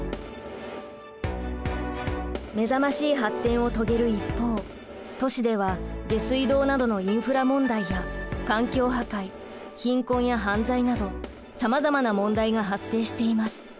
めざましい発展を遂げる一方都市では下水道などのインフラ問題や環境破壊貧困や犯罪などさまざまな問題が発生しています。